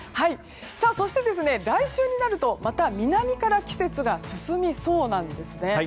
そして、来週になるとまた南から季節が進みそうなんですね。